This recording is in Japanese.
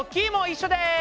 一緒です！